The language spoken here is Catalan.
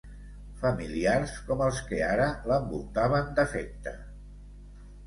Familiars com els que ara l'envoltaven d'afecte.